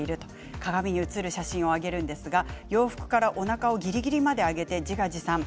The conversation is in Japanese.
鏡に映る写真を上げるんですが洋服からおなかをぎりぎりまで上げて自画自賛。